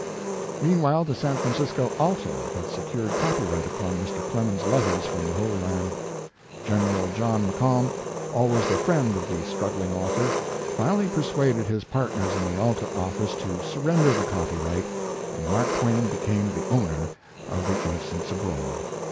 Meanwhile the San Francisco Alta had secured copyright upon Mr. Clemens letters from the Holy Land. General John McComb, always the friend of the struggling author, finally persuaded his partners in the Alta office to surrender the copyright, and Mark Twain became the owner of The Innocents Abroad."